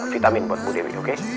vitamin buat bu dewi oke